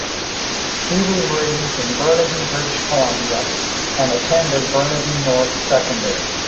He was raised in Burnaby, British Columbia, and attended Burnaby North Secondary.